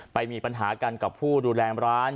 ไปมีปัญหากันกับผู้ดูแลร้าน